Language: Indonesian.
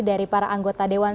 dari para anggota dewan